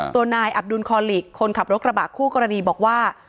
นายอับดุลคอลิกคนขับรถกระบะคู่กรณีบอกว่า